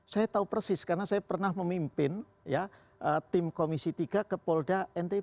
saya tahu persis karena saya pernah memimpin tim komisi tiga ke polda ntb